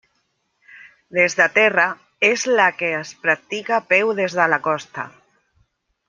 Des de terra: és la que es practica a peu des de la costa.